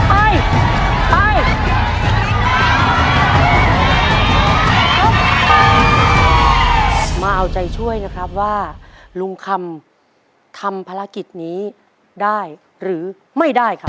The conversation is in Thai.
ไปเอาใจช่วยนะครับว่าลุงคำทำภารกิจนี้ได้หรือไม่ได้ครับ